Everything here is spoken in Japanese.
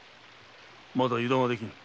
まだ油断はできん。